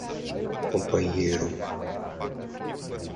companheiro